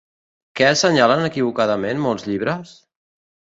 Què assenyalen equivocadament molts llibres?